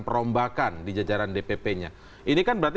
perombakan di jajaran dpp nya ini kan berarti